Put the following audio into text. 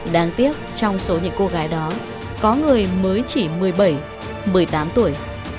đáng tiếc trong số những cô gái đó có người mới chỉ một mươi bảy một mươi tám tuổi